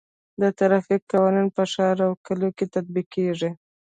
د ټرافیک قوانین په ښار او کلیو کې تطبیق کیږي.